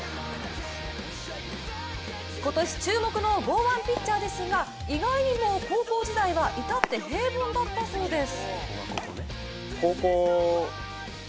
今年注目の剛腕ピッチャーですが意外にも高校時代はいたって平凡だったそうです。